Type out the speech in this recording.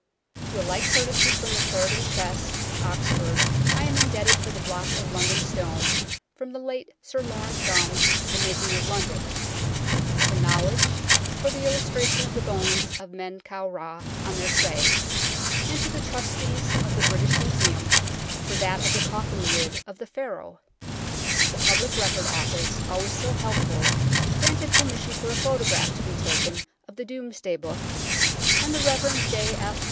To a like courtesy from the Clarendon Press, Oxford, I am indebted for the block of London Stone from the late Sir Laurence Gomme's The Making of London ; to Knowledge for the illustration of the Bones of Men kau Ra on their tray ; and to the Trustees of the British Museum for that of the coffin lid of that Pharaoh. The Public Record Office, always so helpful, granted per mission for a photograph to be taken of the Domesday Book; and the Rev. J. F.